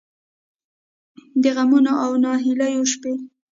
د غمـونـو او نهـيليو شـپې